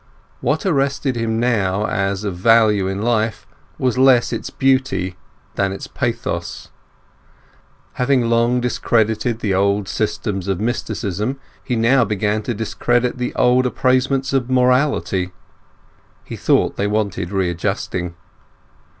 What arrested him now as of value in life was less its beauty than its pathos. Having long discredited the old systems of mysticism, he now began to discredit the old appraisements of morality. He thought they wanted readjusting.